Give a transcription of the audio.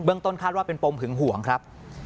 ต้นคาดว่าเป็นปมหึงห่วงครับ